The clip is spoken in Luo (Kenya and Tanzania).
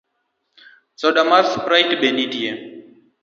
Soda mar sprite be nitie?